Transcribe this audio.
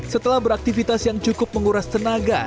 setelah beraktivitas yang cukup menguras tenaga